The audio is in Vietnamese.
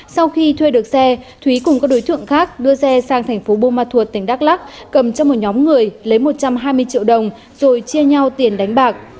sau khi thuê được xe thúy cùng các đối tượng khác đưa xe sang thành phố buôn ma thuột tỉnh đắk lắc cầm cho một nhóm người lấy một trăm hai mươi triệu đồng rồi chia nhau tiền đánh bạc